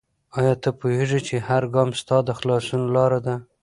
آیا ته پوهېږې چې هر ګام ستا د خلاصون لاره ده؟